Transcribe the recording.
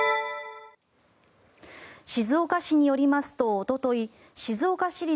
静岡市によりますとおととい静岡市立